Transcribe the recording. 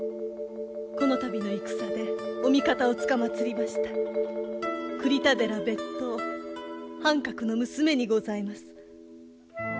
この度の戦でお味方をつかまつりました栗田寺別当範覚の娘にございます。